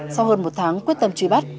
sau hơn một tháng quyết tâm truy bắt